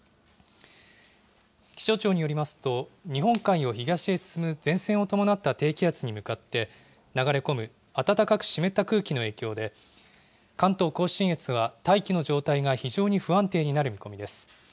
気象庁によりますと、日本海を東へ進む前線を伴った低気圧に向かって流れ込む暖かく湿った空気の影響で、関東甲信越は大気の状態が非常に不安定になる見込みです。